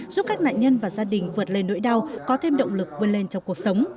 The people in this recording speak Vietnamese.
giúp các nạn nhân và gia đình vượt lên nỗi đau có thêm động lực vươn lên trong cuộc sống